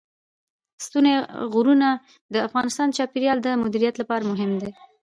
ستوني غرونه د افغانستان د چاپیریال د مدیریت لپاره مهم دي.